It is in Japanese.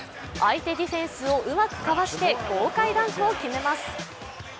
相手デフェンスをうまくかわして豪快ダンクを決めます。